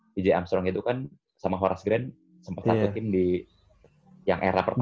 bj armstrong itu kan sama horace grant sempet satu tim di yang era pertama